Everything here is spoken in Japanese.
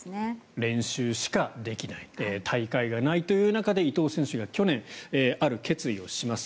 練習しかできない大会がないという中で伊藤選手が去年、ある決意をします。